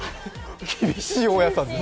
厳しい大家さんですね。